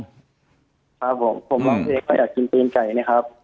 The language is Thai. ครับผมผมร้องเพลงเขาอยากกินปีนไก่เนี่ยครับ